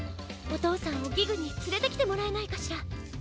おとうさんをギグにつれてきてもらえないかしら？